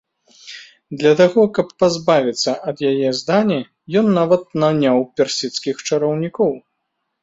Для таго каб пазбавіцца ад яе здані, ён нават наняў персідскіх чараўнікоў.